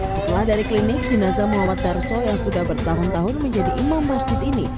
setelah dari klinik jenazah muhammad terso yang sudah bertahun tahun menjadi imam masjid ini